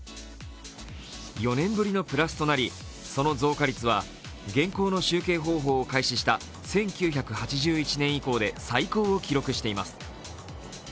４年ぶりのプラスとなりその増加率は現行の集計方法を開始した１９８１年以降で最高を記録しています。